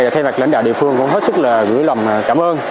thay mặt lãnh đạo địa phương cũng hết sức là gửi lòng cảm ơn